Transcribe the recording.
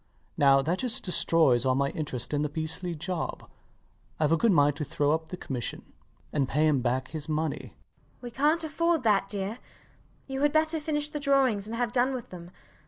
Now that just destroys all my interest in the beastly job. Ive a good mind to throw up the commission, and pay him back his money. MRS DUBEDAT. We cant afford that, dear. You had better finish the drawings and have done with them.